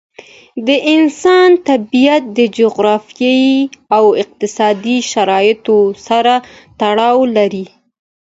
د انسان طبیعت د جغرافیایي او اقليمي شرایطو سره تړاو لري.